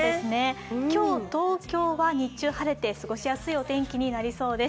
今日東京は日中晴れて過ごしやすいお天気になりそうです。